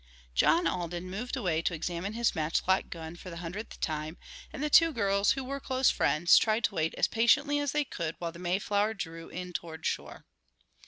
John Alden moved away to examine his matchlock gun for the hundredth time, and the two girls, who were close friends, tried to wait as patiently as they could while the Mayflower drew in towards shore.